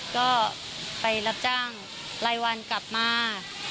ก็ไปรับจ้างรายวันกลับมา